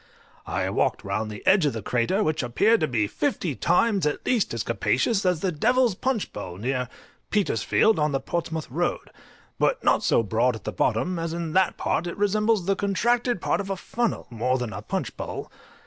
I walked round the edge of the crater, which appeared to be fifty times at least as capacious as the Devil's Punch Bowl near Petersfield, on the Portsmouth Road, but not so broad at the bottom, as in that part it resembles the contracted part of a funnel more than a punch bowl.